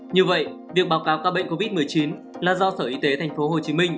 như vậy việc báo cáo ca bệnh covid một mươi chín là do sở y tế tp hcm